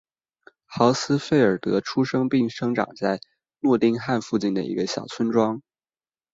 豪斯费尔德出生并生长在诺丁汉附近的一个小村庄。